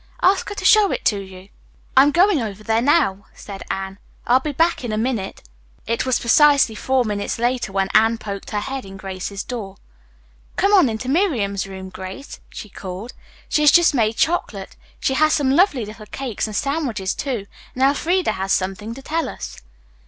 Ask her to show it to you." "I'm going over there now," said Anne. "I'll be back in a minute." It was precisely four minutes later when Anne poked her head in Grace's door. "Come on into Miriam's room, Grace," she called. "She has just made chocolate. She has some lovely little cakes and sandwiches, too. And Elfreda has something to tell us."